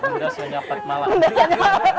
bunda sonja pak malang